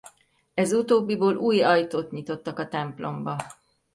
Ez utóbbiból új ajtót nyitottak a templomba.